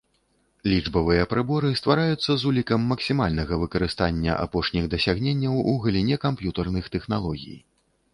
Лічбавыя прыборы ствараюцца з улікам максімальнага выкарыстання апошніх дасягненняў у галіне камп'ютэрных тэхналогій.